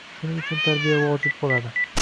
Shuning uchun tarbiya vojib bo‘ladi